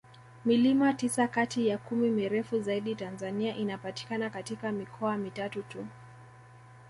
Milima tisa kati ya kumi mirefu zaidi Tanzania inapatikana katika mikoa mitatu tu